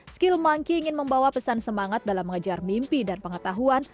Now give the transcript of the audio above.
skill monkey ingin membawa pesan semangat dalam mengejar mimpi dan pengetahuan